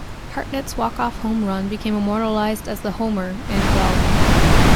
Hartnett's walk-off home run became immortalized as the "Homer in the Gloamin'".